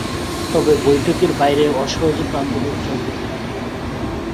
তবে বৈঠকের বাইরে অসহযোগ আন্দোলন চলতে থাকে।